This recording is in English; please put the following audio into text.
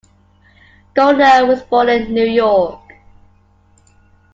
Giorno was born in New York.